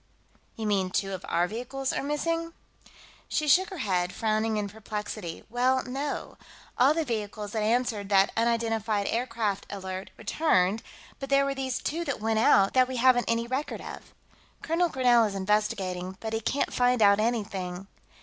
"You mean two of our vehicles are missing?" She shook her head, frowning in perplexity. "Well, no. All the vehicles that answered that unidentified aircraft alert returned, but there were these two that went out that we haven't any record of. Colonel Grinell is investigating, but he can't find out anything...."